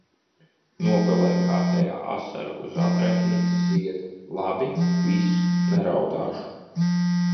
Nopilēja kārtēja asara uz atraitnītes zieda. Labi, viss, neraudāšu.